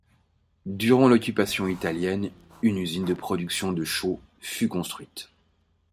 Durant l'occupation italienne, une usine de production de chaux fut construite.